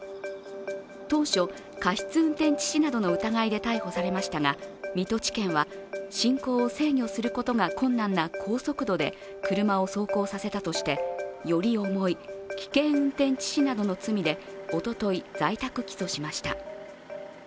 当初、過失運転致死などの疑いで逮捕されましたが水戸地検は進行を制御することが困難な高速度で車を走行させたとしてより重い危険運転致死などの罪でおととい、在宅起訴しました。